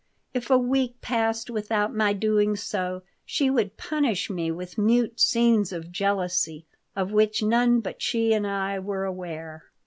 If a week passed without my doing so she would punish me with mute scenes of jealousy, of which none but she and I were aware.